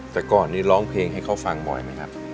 แต่ก่อนนี้ร้องเพลงให้เขาฟังบ่อยไหมครับ